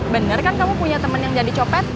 bener kan kamu punya temen yang jadi copet